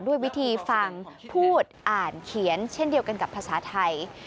ด้วยวิธีฟังพูดอ่านเขียนเช่นเดียวกันกับภาษาไทย